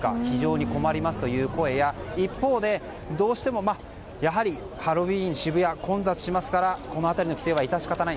非常に困りますという声や一方でやはり、ハロウィーン、渋谷は混雑しますからこの辺りの規制は致し方ない。